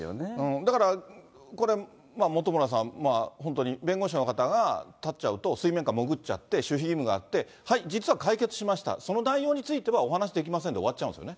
だから、これ、本村さん、本当に弁護士の方が立っちゃうと、水面下潜っちゃって、守秘義務があって、はい、実は解決しました、その内容についてはお話できませんで終わっちゃうんですよね。